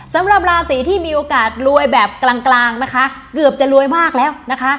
สำหรับราศีที่มีโอกาสรวยแบบกลางกลางนะคะเกือบจะรวยมากแล้วนะคะ